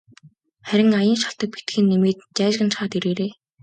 Харин аян шалтаг битгий нэмээд жайжганачхаад ирээрэй.